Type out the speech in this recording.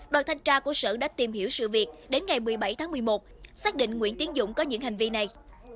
đoàn thanh tra của sở đã tìm hiểu sự việc đến ngày một mươi bảy tháng một mươi một xác định nguyễn tiến dũng có những hành vi này